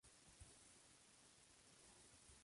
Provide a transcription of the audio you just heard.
Tiene un fuerte sabor picante, y no se considera comestible.